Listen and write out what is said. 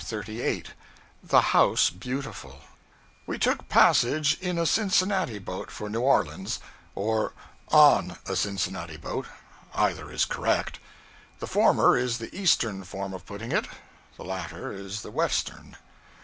CHAPTER 38 The House Beautiful WE took passage in a Cincinnati boat for New Orleans; or on a Cincinnati boat either is correct; the former is the eastern form of putting it, the latter the western.